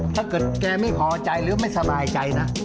ถ้าเกิดแกไม่พอใจหรือไม่สบายใจนะ